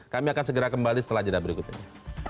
kami akan segera kembali setelah jeda berikutnya